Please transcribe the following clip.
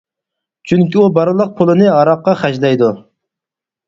چۈنكى ئۇ بارلىق پۇلىنى ھاراققا خەجلەيدۇ.